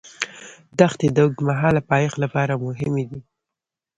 دښتې د اوږدمهاله پایښت لپاره مهمې دي.